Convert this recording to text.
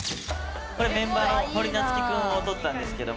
これメンバーの堀夏喜くんを撮ったんですけども。